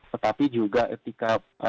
tetapi juga etika